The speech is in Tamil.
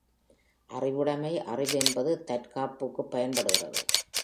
அறிவுடைமை அறிவு என்பது தற்காப்புக்குப் பயன்படுகிறது.